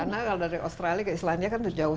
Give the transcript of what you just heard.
karena kalau dari australia ke islandia kan tuh jauh